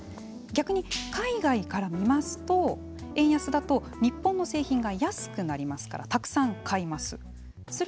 逆に海外から見ますと円安だと日本の製品が安くなりますからたくさん買います。